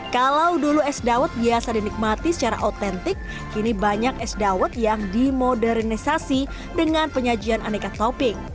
kalau dulu es dawet biasa dinikmati secara otentik kini banyak es dawet yang dimodernisasi dengan penyajian aneka topping